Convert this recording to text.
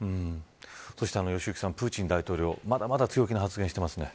良幸さん、プーチン大統領まだまだ強気な発言してますね。